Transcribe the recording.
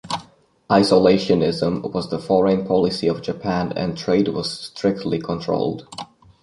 Isolationism was the foreign policy of Japan and trade was strictly controlled.